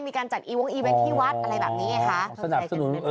มีการจัดอีเวนท์ที่วัด